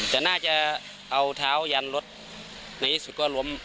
แต่น่าจะเอาเท้ายันรถในที่สุดก็ล้ม